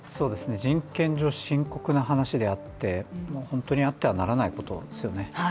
人権上、深刻な話であって本当にあってはならないことですよね。